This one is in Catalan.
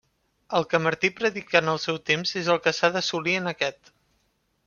El que Martí predica en el seu temps és el que s'ha d'assolir en aquest.